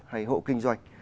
hay hộ kinh doanh